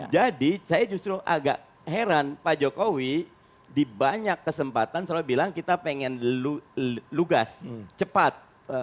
jadi saya justru agak heran pak jokowi di banyak kesempatan selalu bilang kita pengen lugas cepat